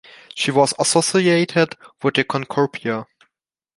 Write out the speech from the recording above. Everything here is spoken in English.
She was associated with the cornucopia.